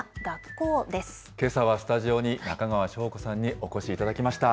けさはスタジオに中川翔子さんにお越しいただきました。